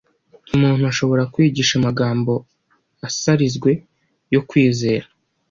Umuntu ashobora kwigisha amagambo asarizwe yo kwizera,